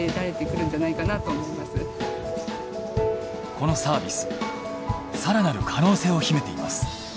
このサービス更なる可能性を秘めています。